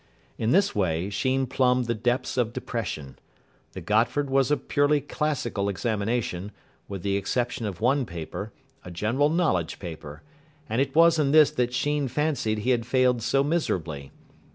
In this way Sheen plumbed the depths of depression. The Gotford was a purely Classical examination, with the exception of one paper, a General Knowledge paper; and it was in this that Sheen fancied he had failed so miserably.